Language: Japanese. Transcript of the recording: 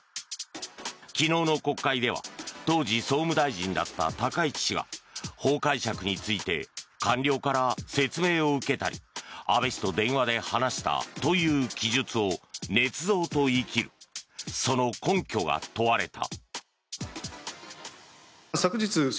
昨日の国会では当時、総務大臣だった高市氏が法解釈について官僚から説明を受けたり安倍氏と電話で話したという記述をねつ造と言い切るその根拠が問われた。